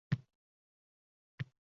U hali-hanuz ko‘z-o‘ngimda.